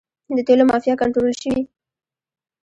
د تیلو مافیا کنټرول شوې؟